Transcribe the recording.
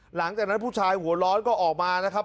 หลังจากนั้นผู้ชายหัวร้อนก็ออกมานะครับ